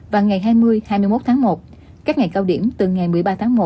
và ngày hai mươi hai mươi một tháng một các ngày cao điểm từ ngày một mươi ba tháng một